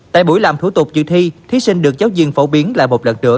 tại buổi làm thủ tục dự thi thí sinh được giáo viên phổ biến lại một lần nữa